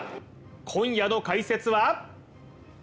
今夜の解説は？